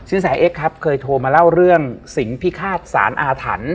แสเอ็กซครับเคยโทรมาเล่าเรื่องสิ่งพิฆาตสารอาถรรพ์